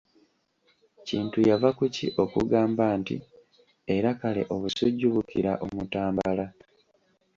Kintu yava ku ki okubagamba nti Era Kale Obusujju bukira Omutambala?